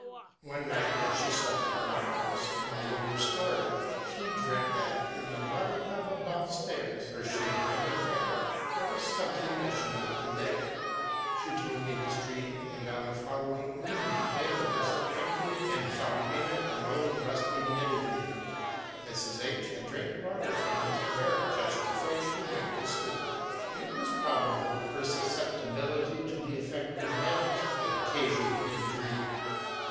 One night that she slept in my house, in a lower story, she dreamt that, in the water tub above stairs, where she had never been, there was some thing that should not be there. She told me this dream, and, on the following evening, I had the vessel emptied, and found in it an old rusty knitting needle. Mrs. H had drank water from this barrel just before she went to sleep ; and it was probably her susceptibility to the effect of metals that occasioned this dream.